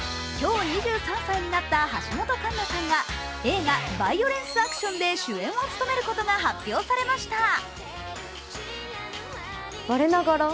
今日２３歳になった橋本環奈さんが映画「バイオレンスアクション」で主演を務めることが発表されました。